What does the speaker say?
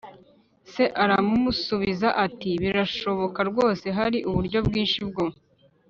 Se aramusubiza ati Birashoboka rwose Hari uburyo bwinshi bwo